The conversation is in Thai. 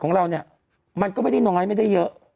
ของเราเนี่ยมันก็ไม่ได้ไม่ได้